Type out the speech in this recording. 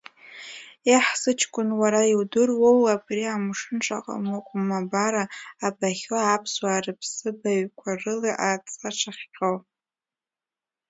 Еҳ, сыҷкәын, уара иудыруоу абри амшын шаҟа мыҟәмабара абахьоу, аԥсуаа рыԥсыбаҩқәа рыла аҵа шыхҟьоу!